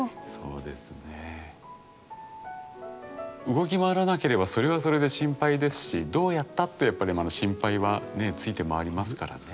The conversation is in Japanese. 動き回らなければそれはそれで心配ですしどうやったってやっぱりまだ心配はねえついて回りますからね。